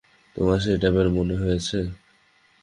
তোমাকে সেই টাইপের মনে হয়েছে।